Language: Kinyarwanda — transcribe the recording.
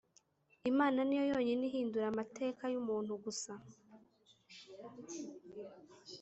imana niyo yonyine ihindura amateka y’umuntu gusa